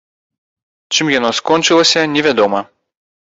Чым яно скончылася, невядома.